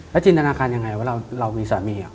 จินตนาการยังไงว่าเรามีสามี